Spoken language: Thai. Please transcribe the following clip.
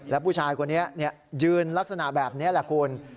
แล้วผู้ชายคนนี้ยืนลักษณะแบบนี้แหละคุณ